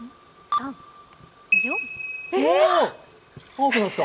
青くなった！